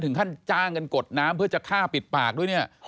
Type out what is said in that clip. จ้างกันกดน้ำเพื่อจะฆ่าปิดปากด้วยเนี่ย